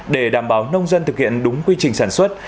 để đảm bảo nông dân thực hiện đúng quy trình sản xuất